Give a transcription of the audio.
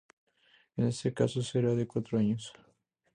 En este caso será de cuatro años.